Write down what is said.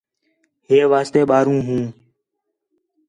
ہے واسطے ٻاہروں ہوں